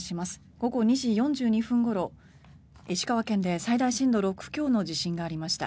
午後２時４２分ごろ石川県で最大震度６強の地震がありました。